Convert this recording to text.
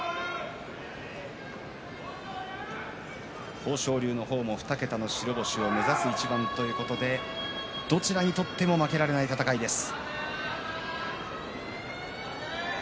豊昇龍の方も２桁の白星を目指す一番ということでどちらにとっても負けられない戦いです。